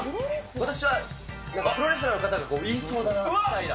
私はプロレスラーの方が言いそうだなみたいな。